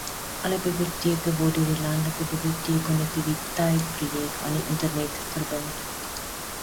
Alle biblioteke word deur die Landelike Biblioteekkonnektiwiteit-projek aan die Internet verbind.